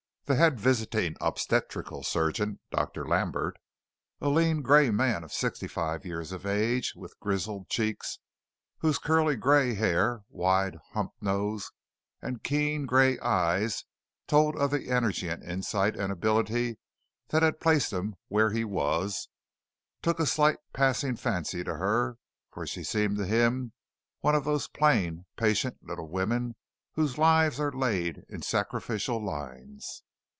The head visiting obstetrical surgeon, Dr. Lambert, a lean, gray man of sixty five years of age, with grizzled cheeks, whose curly gray hair, wide, humped nose and keen gray eyes told of the energy and insight and ability that had placed him where he was, took a slight passing fancy to her, for she seemed to him one of those plain, patient little women whose lives are laid in sacrificial lines.